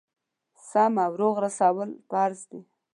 سم او روغ رسول فرض دي.